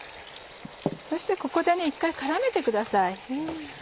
そしてここで一回絡めてください。